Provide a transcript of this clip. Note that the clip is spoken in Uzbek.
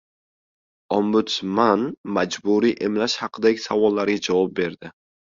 Ombudsman majburiy emlash haqidagi savollarga javob berdi